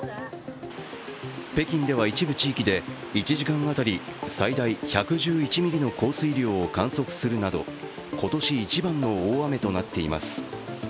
北京では一部地域で１時間当たり最大１１１ミリの降水量を観測するなど今年一番の大雨となっています。